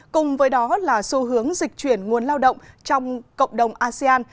cùng với đó là xu hướng dịch chuyển nguồn lao động trong cộng đồng asean